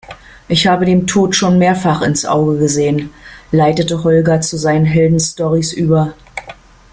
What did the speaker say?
Ich habe dem Tod schon mehrfach ins Auge gesehen, leitete Holger zu seinen Heldenstorys über.